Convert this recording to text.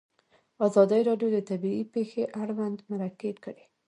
ازادي راډیو د طبیعي پېښې اړوند مرکې کړي.